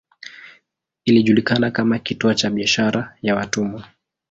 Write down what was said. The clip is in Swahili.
Ilijulikana kama kituo cha biashara ya watumwa.